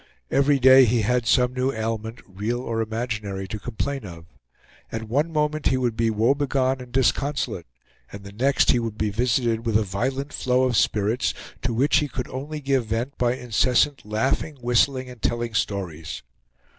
Every day he had some new ailment, real or imaginary, to complain of. At one moment he would be woebegone and disconsolate, and the next he would be visited with a violent flow of spirits, to which he could only give vent by incessant laughing, whistling, and telling stories.